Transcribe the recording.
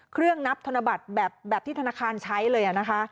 นับธนบัตรแบบที่ธนาคารใช้เลยนะคะ